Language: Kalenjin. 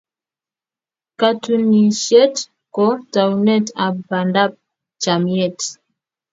katunisiet ko taunet ab bandab chamyet